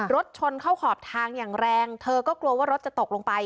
รถชนเข้าขอบทางอย่างแรงเธอก็กลัวว่ารถจะตกลงไป